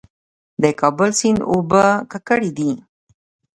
د کابل سیند اوبه ککړې دي؟